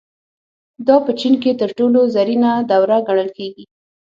دا په چین کې تر ټولو زرینه دوره ګڼل کېږي.